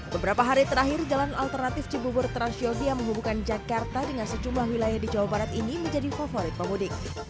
beberapa hari terakhir jalan alternatif cibubur transyogi yang menghubungkan jakarta dengan sejumlah wilayah di jawa barat ini menjadi favorit pemudik